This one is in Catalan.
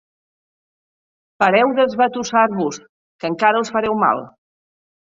Pareu d'esbatussar-vos, que encara us fareu mal.